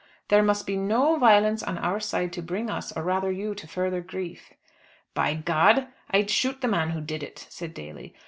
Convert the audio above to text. "There must be no violence on our side to bring us, or rather you, to further grief." "By God! I'd shoot the man who did it," said Daly.